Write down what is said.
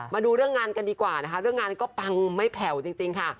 มาดูเรื่องงานกันดีกว่านะคะเรื่องงานก็ปังไม่แผ่วจริงค่ะ